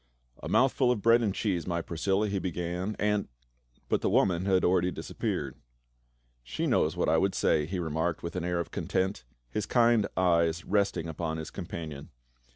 " A mouthful of bread and cheese, my Priscilla," he began, "and —" But the woman had already disappeared. " She knows what I would say," he remarked with an air of content, his kind eyes resting upon his companion.